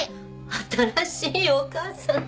新しいお母さんって。